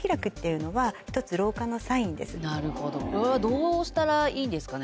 なるほどこれはどうしたらいいですかね？